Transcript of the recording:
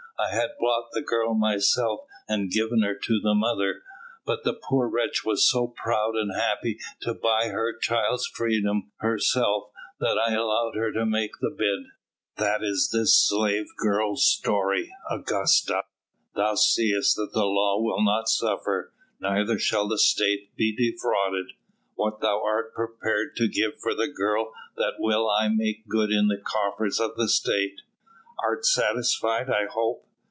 I had bought the girl myself and given her to the mother, but the poor wretch was so proud and happy to buy her child's freedom herself, that I allowed her to make the bid. That is this slave girl's story, Augusta! Thou seest that the law will not suffer, neither shall the State be defrauded. What thou art prepared to give for the girl that will I make good in the coffers of the State. Art satisfied, I hope!